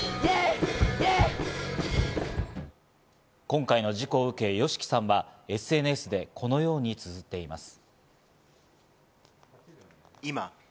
今回の事故を受けＹＯＳＨＩＫＩさんは、ＳＮＳでこのようにつづっています。